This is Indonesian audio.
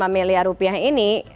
miliar rupiah ini